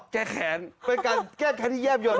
แก้แขนเป็นการแก้แขนที่เยี่ยมหยดนะ